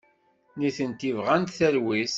Nitenti bɣant talwit.